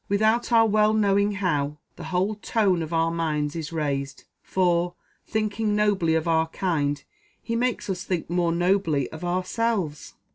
Without our well knowing how, the whole tone of our minds is raised for, thinking nobly of our kind, he makes us think more nobly of ourselves!"